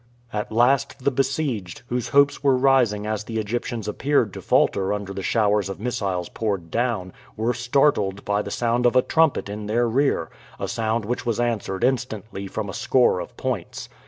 At last the besieged, whose hopes were rising as the Egyptians appeared to falter under the showers of missiles poured down, were startled by the sound of a trumpet in their rear a sound which was answered instantly from a score of points.